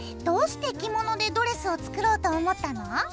どうして着物でドレスを作ろうと思ったの？